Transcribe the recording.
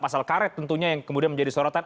pasal karet tentunya yang kemudian menjadi sorotan